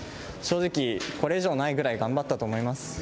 正直、これ以上ないぐらい頑張ったと思います。